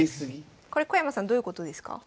これ小山さんどういうことですか？